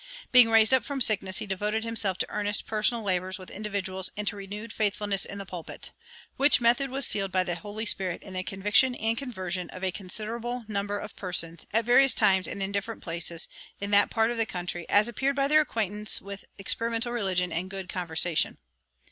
Being raised up from sickness, he devoted himself to earnest personal labors with individuals and to renewed faithfulness in the pulpit, "which method was sealed by the Holy Spirit in the conviction and conversion of a considerable number of persons, at various times and in different places, in that part of the country, as appeared by their acquaintance with experimental religion and good conversation."